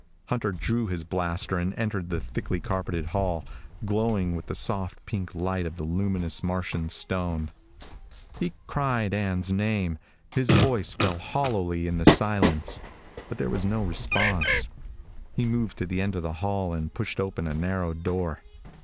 Hunter drew his blaster and entered the thickly carpeted hall, glowing with the soft, pink light of the luminous, Martian stone. He cried Ann's name. His voice fell hollowly in the silence, but there was no response. He moved to the end of the hall and pushed open a narrow door.